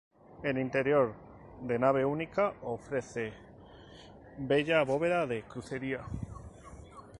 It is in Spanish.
El interior, de nave única, ofrece bella bóveda de crucería.